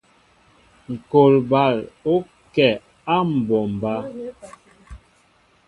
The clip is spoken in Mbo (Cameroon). Ŋkɔl bal ó kɛ á mɓombá.